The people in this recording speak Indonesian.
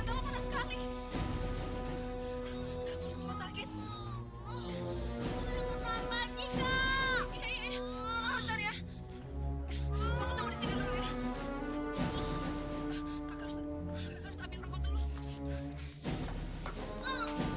kakak harus ambil nomor dulu